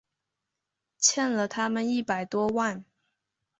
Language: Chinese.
欠了他们一百多万